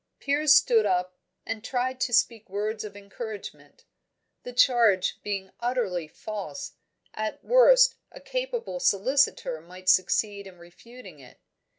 Piers stood up, and tried to speak words of encouragement. The charge being utterly false, at worst a capable solicitor might succeed in refuting it.